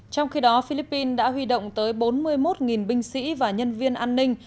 trong khi đó philippines đã huy động tới bốn mươi một binh sĩ và nhân viên an ninh